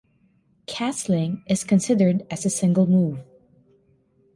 Castling is considered as a single move.